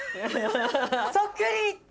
そっくり！